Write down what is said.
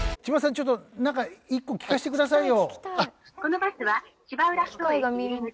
ちょっとなんか１個聞かせてくださいよ。